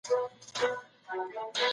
فرمان د قوم تقدیر بدل کړ.